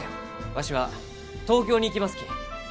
わしは東京に行きますき。